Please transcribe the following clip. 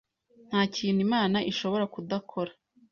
Nta kintu imana ishobora kudakora.